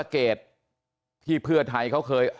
ขอบคุณเลยนะฮะคุณแพทองธานิปรบมือขอบคุณเลยนะฮะ